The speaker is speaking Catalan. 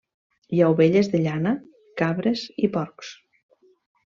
Hi ha ovelles de llana, cabres i porcs.